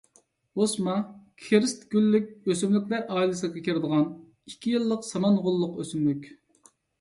ئوسما -- كىرېست گۈللۈك ئۆسۈملۈكلەر ئائىلىسىگە كىرىدىغان، ئىككى يىللىق سامان غوللۇق ئۆسۈملۈك.